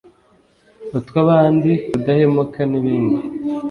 utw’abandi, kudahemuka n’ibindi